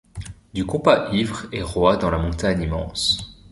Du compas ivre et roi dans la montagne immense ;